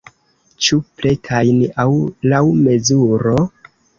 Ĉu pretajn aŭ laŭ mezuro?